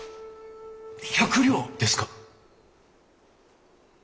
百両ですか！？